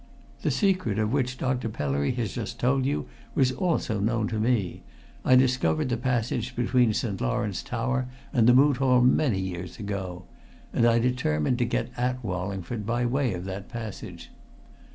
The secret of which Dr. Pellery has just told you was also known to me I discovered the passage between St. Lawrence tower and the Moot Hall many years ago. And I determined to get at Wallingford by way of that passage.